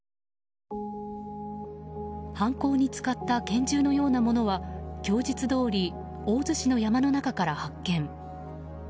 犯行に使った拳銃のようなものは供述どおり大洲市の山の中から発見。